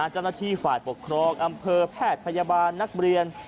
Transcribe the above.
จันทนาธิฝากปกครองอำเภอแพทย์พยาบาลนักเรียน